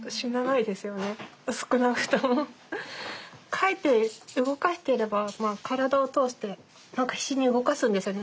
描いて動かしていれば体を通して何か必死に動かすんですよね。